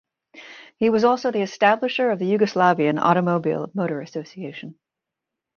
He was also the establisher of the Yugoslavian automobile-motor association.